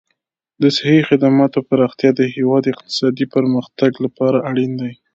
د صحي خدماتو پراختیا د هېواد اقتصادي پرمختګ لپاره اړین دي.